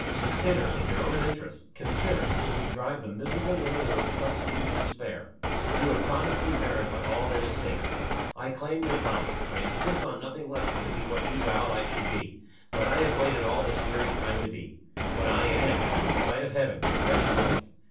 Consider! in your own interests, consider before you drive the miserable woman who has trusted you to despair. You have promised me marriage by all that is sacred. I claim your promise. I insist on nothing less than to be what you vowed I should be what I have waited all this weary time to be what I am, in the sight of Heaven, your wedded wife.